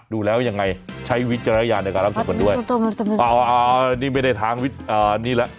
ดูแล้วยังไงใช้วิจารยาในการรับชมคนด้วยอ่าอ่านี่ไม่ได้ทางวิอ่านี่แหละ